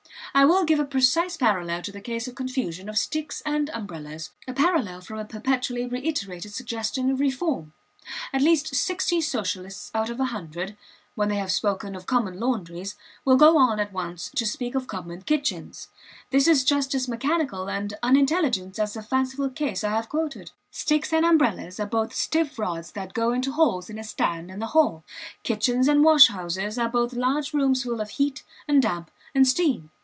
I will give a precise parallel to the case of confusion of sticks and umbrellas, a parallel from a perpetually reiterated suggestion of reform. At least sixty Socialists out of a hundred, when they have spoken of common laundries, will go on at once to speak of common kitchens. This is just as mechanical and unintelligent as the fanciful case I have quoted. Sticks and umbrellas are both stiff rods that go into holes in a stand in the hall. Kitchens and washhouses are both large rooms full of heat and damp and steam.